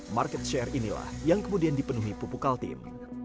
market share inilah yang kemudian dipenuhi pupuk altim